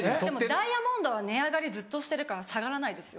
ダイヤモンドは値上がりずっとしてるから下がらないですよ。